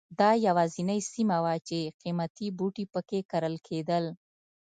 دا یوازینۍ سیمه وه چې قیمتي بوټي په کې کرل کېدل.